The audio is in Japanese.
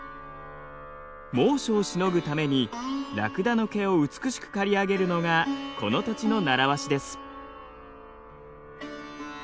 猛暑をしのぐためにラクダの毛を美しく刈り上げるのがこの土地の習わしです。